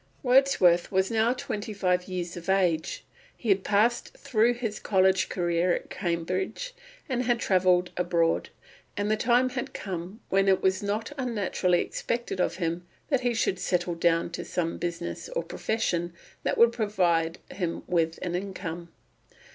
Wordsworth was now twenty five years of age; he had passed through his college career at Cambridge and had travelled abroad, and the time had come when it was not unnaturally expected of him that he should settle down to some business or profession that would provide him with an income.